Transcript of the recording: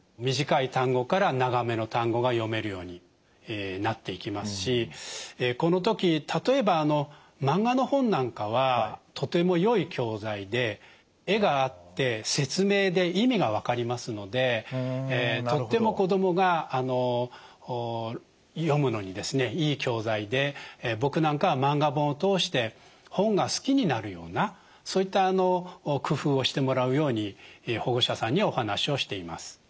短い単語から長めの単語が読めるようになっていきますしこの時例えばマンガの本なんかはとてもよい教材で絵があって説明で意味が分かりますのでとっても子どもが読むのにいい教材で僕なんかはマンガ本を通して本が好きになるようなそういった工夫をしてもらうように保護者さんにはお話をしています。